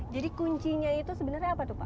kuncinya itu sebenarnya apa tuh pak